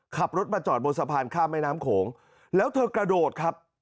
ขับรถมาจอดบนสะพานข้ามแม่น้ำโขงแล้วเธอกระโดดครับ